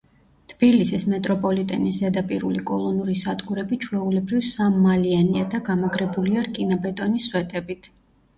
თბილისის მეტროპოლიტენის ზედაპირული კოლონური სადგურები ჩვეულებრივ სამმალიანია და გამაგრებულია რკინაბეტონის სვეტებით.